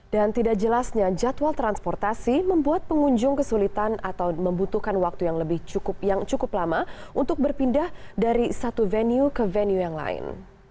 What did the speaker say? dan tidak jelasnya jadwal transportasi membuat pengunjung kesulitan atau membutuhkan waktu yang cukup lama untuk berpindah dari satu venue ke venue yang lain